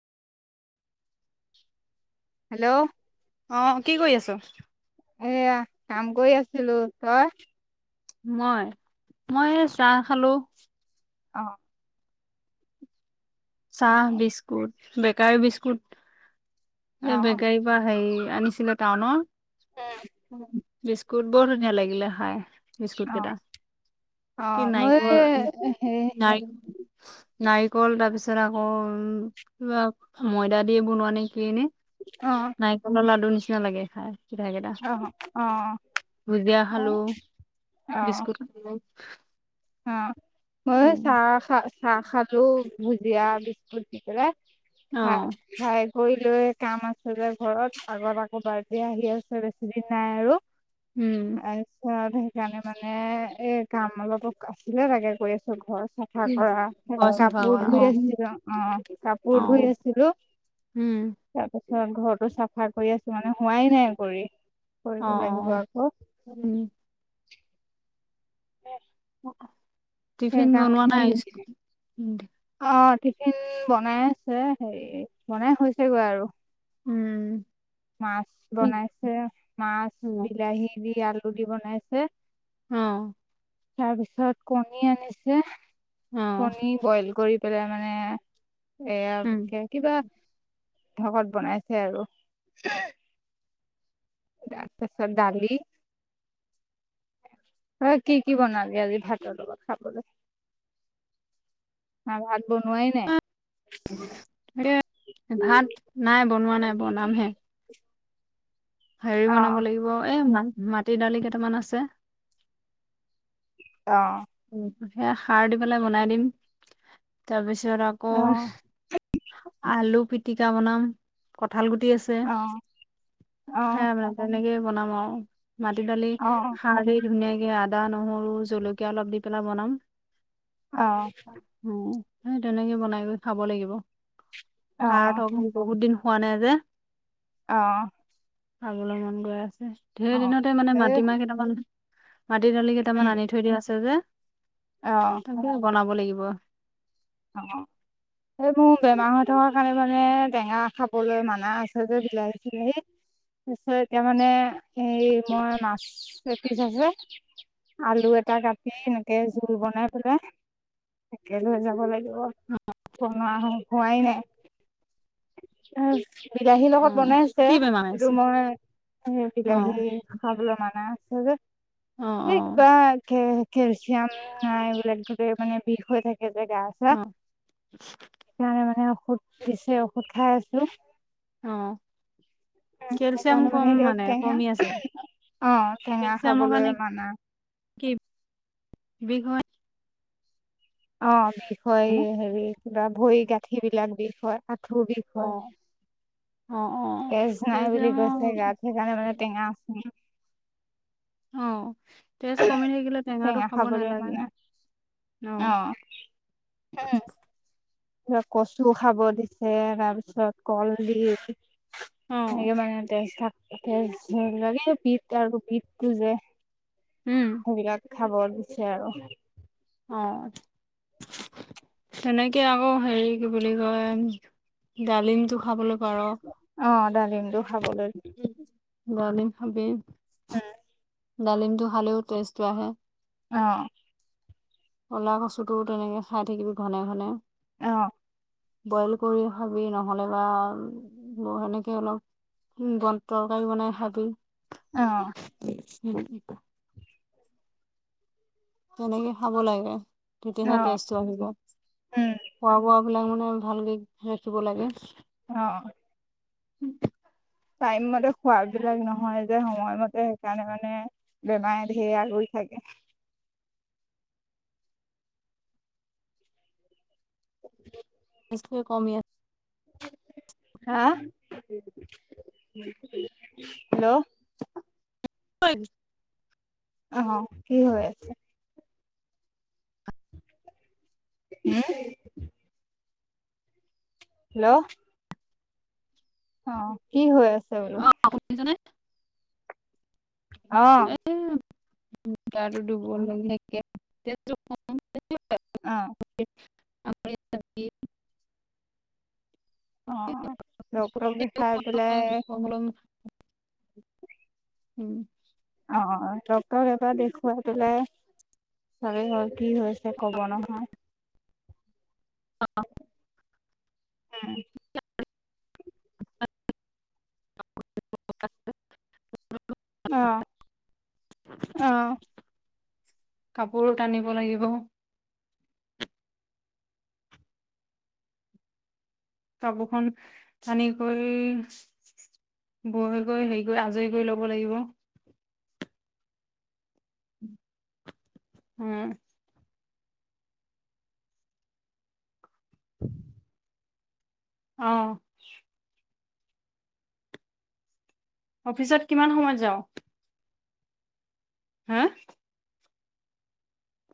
Hello আহ কি কৰি আছ? এয়া কাম কৰি আছিলো, তই? মই মই এ চাহ খালো। অ। অ চাহ, বিস্কুট, বেকাৰী বিস্কুট অ এই বেকাৰীৰ পৰা হেৰি আনিছিলো টাউনৰ, বিস্কুট বৰ ধুনীয়া লাগিলে খাই। বিস্কুট অ কেইটা, অ কি মই নাৰিকল হে নাই নাৰিকল তাৰ পিছত আকৌ কিবা ময়দা দিয়ে বনোৱা নে কি এনে? অ নাৰিকলৰ লাডু নিচিনা লাগে খাই। মিঠাই কেইটা। অ অ অ ভুজিয়া অ খালোঁ, বিস্কুট খালো। [inaudible] অ মই উম চাহ খা চাহ খালো, ভুজিয়া, বিস্কুট দি পেলাই অ হয় হয় কৰি লৈ কাম আছে যে ঘৰত আগৰ আকৌ বাৰ্থডে আহি আছে বেছি দিন নাই আৰু উম আচ্ছা সেইকাৰণে মানে এ কাম অলপো আছিলে লাগে কৰি আছো ঘৰ চাফা কৰা ঘৰ চাফা কাপোৰ কৰা ধুই অ আছিলো, অ অ কাপোৰ ধুই আছিলো। উম তাৰপিছত ঘৰতো চাফা কৰি আছো মানে হোৱাই নাই কৰি। অ অ কৰিব লাগিব আকৌ। উম উম টিফিন বনোৱা নাই আহ অ টিফিন বনাই আছে হেৰি বনাই হৈছেগৈ আৰু। উম মাছ বনাইছে, মাছ, অ বিলাহী দি আল ৰুটি বনাইছে অ তাৰপিছত কণী আনিছে। অ কণী বইল কৰি পেলাই মানে উম এয়া কিবা ঢকত বনাইছে আৰু। দা তাৰ পাছত দালি অ কি কি বনালি আজি ভাতৰ লগ বা খাবলৈ? অ ভাল ভাত নাই বনোৱা নাই বনাম হে। হেৰি অ বনাব লাগিব এই মাটি দালি কেইটামান আছে। অ উম সেয়া সাৰ দি পেলাই বনাই দিম তাৰপিছত যত আকৌ অ আলু পিটিকা বনাম, ক ঠাল গুটি আছে, অ অ সেয়া তেনেকেই বনাম আৰু। মাটি দালি অ', সাৰেই ধুনীয়াকে আদা, নহৰু জলকীয়া অলপ দি পেলাই বনাম। অ', উম সেই তেনেকে বনাই খাব লাগিব। অ', ভাত'হক বহুত দিন হোৱা নাই যে। অ খাবলৈ মন গৈ আছে। ঢেৰ অ', দিনতে মানে এই মাটিমাহ কেইটামান মাটি দালি কেইটামান উম, আনি থৈ দিয়া আছে যে অ', তাকে বনাব লাগিব। অ এই মোৰ বেমাৰ হৈ থকাৰ কাৰণে মানে টেঙা খাবলৈ মানা আছে যে বিলাহী- চিলাহী তাৰপিছত এতিয়া মানে এই মই মাছ এপিছ আছে আলু এটা কাটি এনেকে জোল বনাই পেলাই তাকে লৈ যাব লাগিব। ভঙা হোৱাই নাই। বিলাহীৰ অ লগত বনাইছে, কি বেমাৰ সেইটো হৈছে মই সেই অ বিলাহী খাবলৈ মানা অ আ অ [unintelligible] কেলচিয়াম নাই এইবিলাক ধ মানে বিষ হৈ থাকে যে গা চা। অ সেইকাৰণে মানে ঔষধ দিছে ঔষধ খাই আছো। অ উম, কেলচিয়াম সেইকাৰণে কম এতিয়া মানে টেঙা কমি আছে। অ টেঙা কেলচিয়ামৰ খাবলে কাৰণে মানা, কি বিঘ হয় অ বিষ হয় অ হেৰি কিবা ভৰি গাঁঠি বিলাক বিষহয়। আঠোৰ বিষ হয়। অ অ তেজ নাই বুলি কেলচিয়ামৰ কৈছে গাত সেইকাৰণে মানে টেঙা আছে অ তেজ কমি থাকিলে টেঙাটো টেঙা খাব খাবলৈ নালাগে মানে অ অহ [unintelligible] তাৰ কচু খাব দিছে তাৰপিছত কলডিল অ হেৰি মানে তেজ তেজ নোলালে পিত আৰু পিটটো যে উম সেইবিলাক খাব দিছে আৰু অ তেনেকে আকৌ হেৰি কি বুলি কয় ডালিমটো খাবলে অ ডালিমটো খাব লাগে উম। ডালিম খাবি উ ডালিমটো খালেও তেজটো আহে অ ক'লা কচুটোও তেনেকে খাই থাকিবি ঘনে ঘনে অহ বইল কৰি খাবি নহ'লে বা সেনেকে অলপ বন তৰকাৰী বনাই খাবি অ উম তেনেকে খাব লাগে, তেতিয়াহে অ তেজটো আহিব, উম খোৱা বোৱা সেবিলাক মানে ভালকে ৰাখিব লাগে। অ উম টাইম মতে খোৱা বিলাক নহয় যে সময়মতে সেইকাৰণে মানে বেমাৰে ধেৰ আগুৰি থাকে [inaudible] ইস্তবোৰ কমি আ [unintelligible] হা হেল্ল' হয় অ হ কি হৈ আছে? হম হেল্ল' অ কি হৈ আছে বোলো। অ শুনিছনে অহ এ গাটো দুৰ্বল দুৰ্বল অ [unintelligible] [unintelligible] অ ডক্টৰক দেখাই পেলাই উম আহ ডক্টৰ এবাৰ দেখুৱাই পেলাই চবেই ঘৰ কি হৈছে কব নহয়। উম [inaudible] আহ আহ। কাপোৰো টানিব লাগিব। কাপোৰখন টানি কৰি। বয় গৈ হেৰি কৰি আজৰি কৰি ল'ব লাগিব। হম। আহ। অফিচত কিমান সময়ত যাওঁ? হা?